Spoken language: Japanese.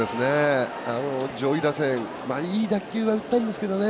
上位打線、いい打球は打ったんですけどね